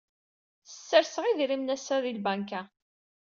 Serseɣ idrimen assa di lbanka.